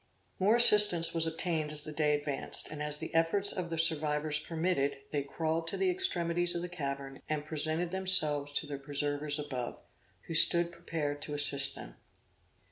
More assistance was obtained as the day advanced; and as the efforts of the survivors permitted, they crawled to the extremities of the cavern and presented themselves to their preservers above, who stood prepared to assist them.